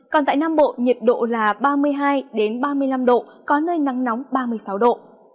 còn tại nam bộ nhiệt độ là ba mươi hai ba mươi năm độ có nơi nắng nóng ba mươi sáu độ